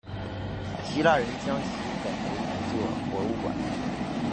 希腊人将其改为一座博物馆。